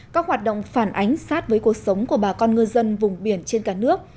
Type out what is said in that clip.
các hoạt động phản ánh sát với cuộc sống của bà con ngư dân vùng biển trên cả nước